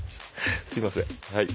すいませんはい。